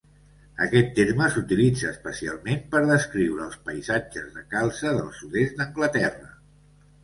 Aquest terme s"utilitza especialment per descriure els paisatges de calze del sud-est d"Anglaterra.